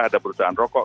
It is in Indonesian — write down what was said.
ada perusahaan rokok